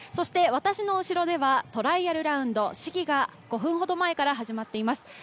私の後ろではトライアルラウンド、試技が５分ほど前から始まっています。